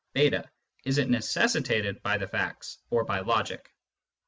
(fi) is it ytecessitated by the facts or by logic